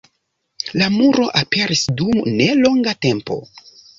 La muro aperis dum nelonga tempo.